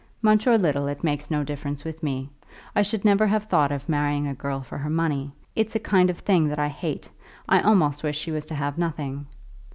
"Much or little, it made no difference with me. I should never have thought of marrying a girl for her money. It's a kind of thing that I hate. I almost wish she was to have nothing."